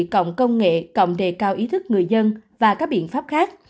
cộng công nghệ cộng đề cao ý thức người dân và các biện pháp khác